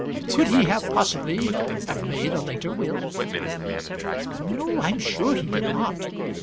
Could he have possibly have made a later will?" "No; I am sure he did not.